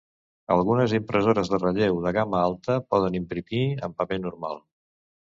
Algunes impressores de relleu de gamma alta poden imprimir en paper normal.